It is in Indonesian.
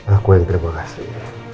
aku yang terima kasih